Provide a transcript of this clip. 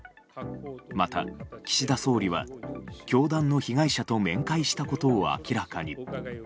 また、岸田総理は教団の被害者と面会したことを明らかに。